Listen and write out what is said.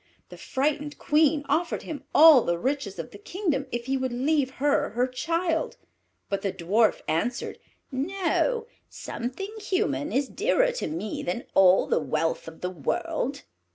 The frightened Queen offered him all the riches of the kingdom if he would leave her her child; but the Dwarf answered, "No; something human is dearer to me than all the wealth of the world."